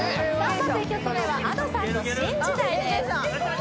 まず１曲目はＡｄｏさんの「新時代」ですあっＭａｙＪ．さん